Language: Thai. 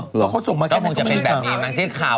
พอเขาส่งมันมาแค่นั้นก็ไม่มีข่าว